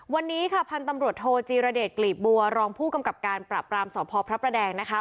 วันนี้ค่ะพันธุ์ตำรวจโทจีรเดชกลีบบัวรองผู้กำกับการปราบรามสพพระประแดงนะคะ